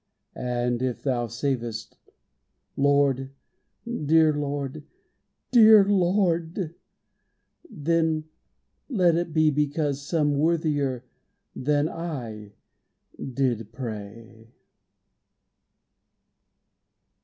And if Thou savest, Lord, dear Lord, dear Lord! Then let it be because some worthier Than I, did pray.....